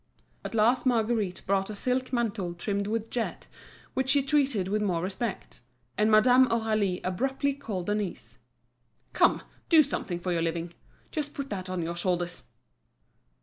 At last Marguerite brought a silk mantle trimmed with jet, which she treated with more respect. And Madame Aurélie abruptly called Denise. "Come, do something for your living. Just put that on your shoulders."